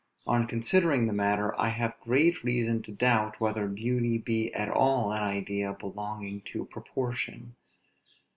On considering the matter, I have great reason to doubt, whether beauty be at all an idea belonging to proportion.